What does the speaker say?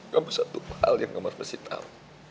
kamu satu hal yang kamu harus bersih tau